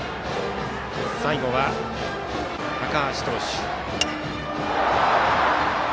最後は高橋投手。